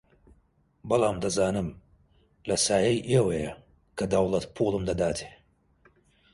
بەڵام دەزانم لە سایەی ئێوەیە کە دەوڵەت پووڵم دەداتێ